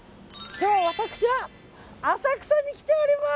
今日、私は浅草に来ております！